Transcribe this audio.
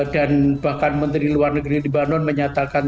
dan bahkan menteri luar negeri libanon menyatakan